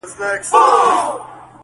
• په دواړو شعرونو کي -